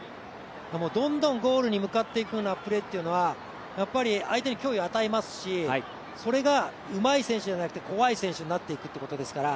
どんどんゴールに向かっていくようなプレーっていうのはやっぱり相手に脅威を与えますしそれがうまい選手じゃなくて怖い選手になっていくっていうことですから。